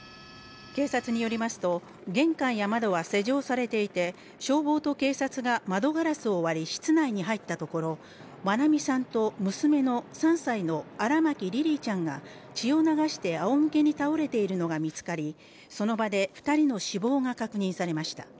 警察によりますと、玄関や窓は施錠されていて消防と警察が窓ガラスを割り室内に入ったところ愛美さんと娘の３歳の荒牧リリィちゃんが血を流してあおむけに倒れているのが見つかりその場で２人の死亡が確認されました。